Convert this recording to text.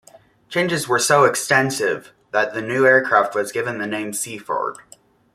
Changes were so extensive, that the new aircraft was given the name Seaford.